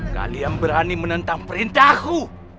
kalian berani menentang perintahku